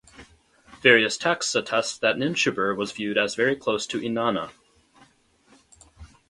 Various texts attest that Ninshubur was viewed as very close to Inanna.